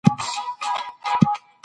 مجاور احمد زیار یو پیاوړی پښتو پوه دئ.